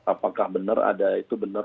apakah benar ada itu benar